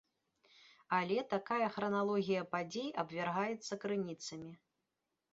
Але такая храналогія падзей абвяргаецца крыніцамі.